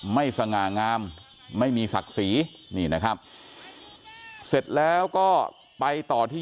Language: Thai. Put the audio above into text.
สง่างามไม่มีศักดิ์ศรีนี่นะครับเสร็จแล้วก็ไปต่อที่